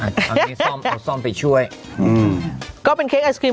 อันนี้ซ่อมเอาซ่อมไปช่วยอืมก็เป็นเค้กไอศครีม